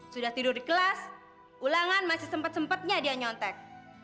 sudah tidur di kelas ulangan masih sempet sempetnya dia nyontek